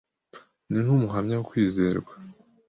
ni nk’umuhamya wo kwizerwa